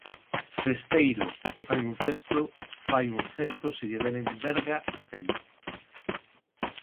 Cesteiro que fai un cesto fai un cento se lle deren verga e tempo